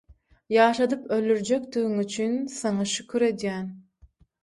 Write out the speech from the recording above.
Ýaşadyp öldürjekdigiň üçin Saňa şükür edýän.